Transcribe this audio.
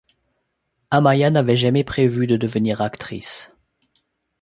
Amaia n'avait jamais prévu de devenir actrice.